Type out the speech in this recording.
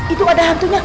itu ada hantunya